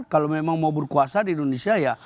kalau memang mau berkuasa di indonesia ya